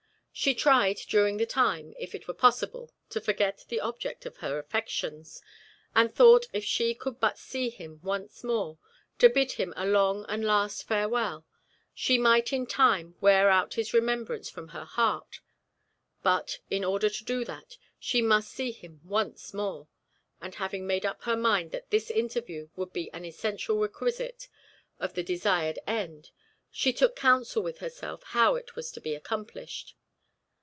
She tried, during the time, if it were possible to forget the object of her affections, and thought if she could but see him once more, to bid him a long and last farewell, she might in time wear out his remembrance from her heart; but in order to do that, she must see him once more; and having made up her mind that this interview would be an essential requisite to the desired end, she took counsel with herself how it was to be accomplished.